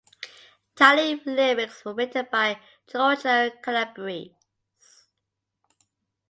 Italian lyrics were written by Giorgio Calabrese.